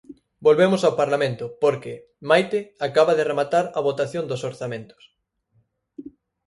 Volvemos ao Parlamento porque, Maite, acaba de rematar a votación dos orzamentos.